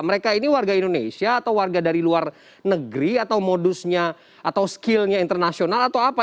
mereka ini warga indonesia atau warga dari luar negeri atau modusnya atau skillnya internasional atau apa